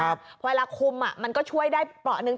เวลาคุมมันก็ช่วยได้เปราะหนึ่ง